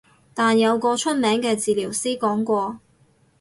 但有個出名嘅治療師講過